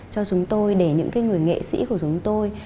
cho chúng tôi để những người nghệ sĩ của chúng tôi